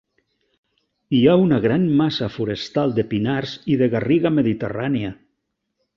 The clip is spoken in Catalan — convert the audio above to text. Hi ha una gran massa forestal de pinars i de garriga mediterrània.